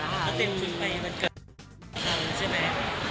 แล้วเต็มชุดใบมันเกิดใช่ไหม